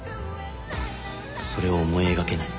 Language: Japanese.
それを思い描けない